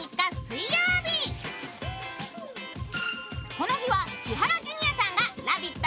この日は千原ジュニアさんが「ラヴィット！」